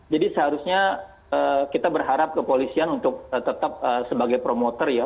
jadi seharusnya kita berharap kepolisian untuk tetap sebagai promotor ya